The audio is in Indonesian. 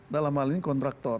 dalam hal ini kontraktor